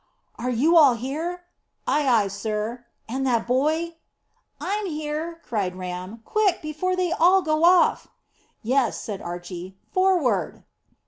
"Are you all here?" "Ay, ay, sir." "And that boy?" "I'm here," cried Ram. "Quick, before they all go off." "Yes," said Archy. "Forward!"